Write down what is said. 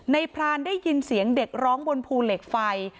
พรานได้ยินเสียงเด็กร้องบนภูเหล็กไฟ